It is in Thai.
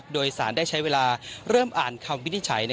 โดยสารได้ใช้เวลาเริ่มอ่านคำวินิจฉัย